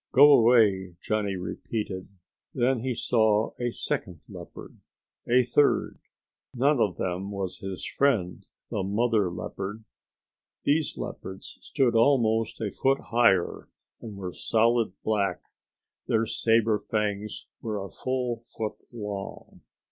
Go away!" Johnny repeated. Then he saw a second leopard. A third. None of them was his friend, the mother leopard. These leopards stood almost a foot higher and were solid black. Their sabre fangs were a full foot long.